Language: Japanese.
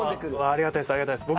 ありがたいです。